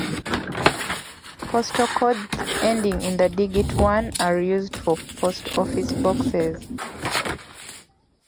Postal codes ending in the digit one are used for post office boxes.